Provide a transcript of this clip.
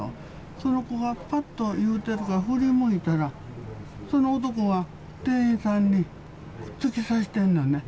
その子がぱっと言うてるから、振り向いたら、その男が店員さんに突き刺してるのよね。